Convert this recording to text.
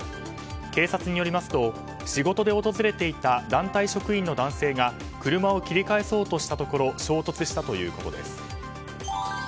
警察によりますと仕事で訪れていた団体職員の男性が車を切り返そうとしたところ衝突したということです。